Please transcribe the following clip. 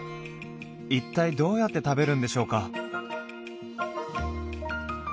一体どうやって食べるんでしょうか？